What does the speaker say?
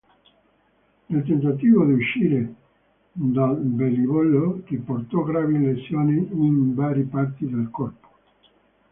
Nel tentativo di uscire dal velivolo, riportò gravi lesioni in varie parti del corpo.